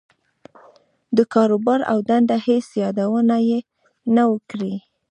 د کاروبار او دندې هېڅ يادونه يې نه وه کړې.